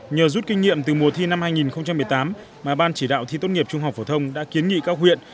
nhờ rút kinh nghiệm từ mùa thi năm hai nghìn một mươi tám mà ban chỉ đạo thi tốt nghiệp trung học phổ thông đã kiến nghị các huyện